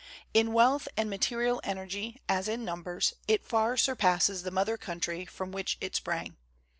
In wealth and material energy, as in numbers, it far surpasses nother country from which it sprang.